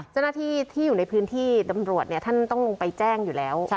จุดนาที่อยู่ในพื้นที่ตำรวจท่านต้องไปแจ้งอยู่แล้ว